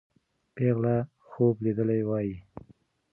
پېغله خوب لیدلی وایي.